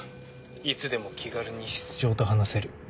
いつでも気軽に室長と話せる。